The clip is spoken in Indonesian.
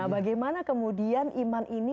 bagaimana kemudian iman ini